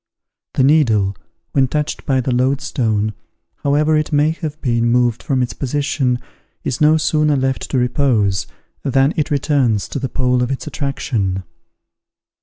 The needle, when touched by the loadstone, however it may have been moved from its position, is no sooner left to repose, than it returns to the pole of its attraction.